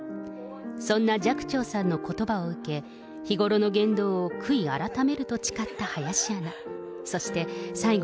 そんな寂聴さんのことばを受け、日頃の言動を悔い改めると誓った林アナ。